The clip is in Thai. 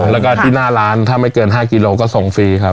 แล้วก็ที่หน้าร้านถ้าไม่เกิน๕กิโลก็ส่งฟรีครับ